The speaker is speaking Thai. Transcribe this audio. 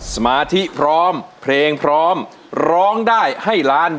สมาธิพร้อมเพลงพร้อมร้องได้ให้ล้าน